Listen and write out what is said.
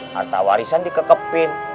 harta warisan dikekepin